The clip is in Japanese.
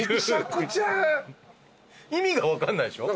意味が分かんないでしょ？